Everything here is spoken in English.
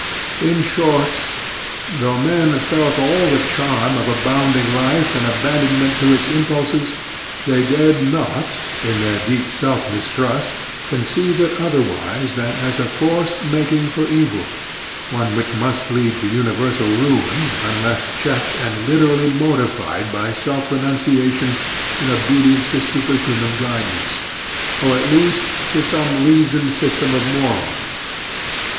In short, though men felt all the charm of abounding life and abandonment to its impulses, they dared not, in their deep self mistrust, conceive it otherwise than as a force making for evil one which must lead to universal ruin unless checked and literally mortified by self renunciation in obedience to superhuman guidance, or at least to some reasoned system of morals.